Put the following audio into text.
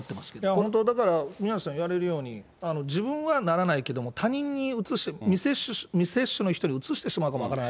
本当、だから宮根さん言われるように、自分はならないけども、他人にうつして、未接種の人にうつしてしまうかもわからない。